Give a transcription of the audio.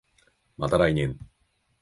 また来年